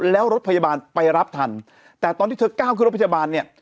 แล้วรถพยาบาลไปรับทันแต่ตอนที่เธอก้าวขึ้นรถพยาบาลเนี่ย